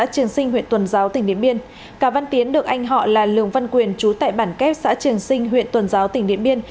cá văn tiến được anh họ là lường văn quyền chú tệ bản kép xã trường sinh huyện tuần giáo tỉnh điện biên